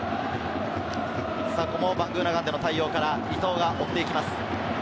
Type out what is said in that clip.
バングーナガンデの対応から伊東が追っていきます。